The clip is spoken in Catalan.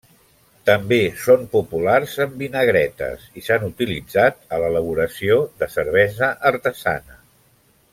També són populars en vinagretes i s'han utilitzat a l'elaboració de cervesa artesana.